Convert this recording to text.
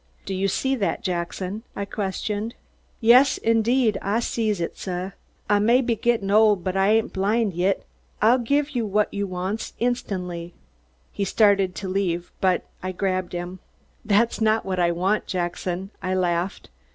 "Do you see that, Jackson?" I questioned. "Yas, indeed Ah sees it, suh! Ah may be gittin' old but Ah ain't blind yit. Ah'll giv you whut you wants, instan'ly." He started to leave, but I grabbed him. "That's not what I want, Jackson," I laughed.